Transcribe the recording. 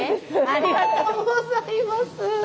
ありがとうございます！